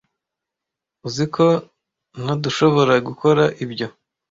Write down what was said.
Uzi ko ntdushoboragukora ibyo.